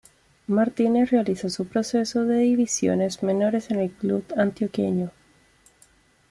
Martinez realiza su proceso de divisiones menores en el club antioqueño.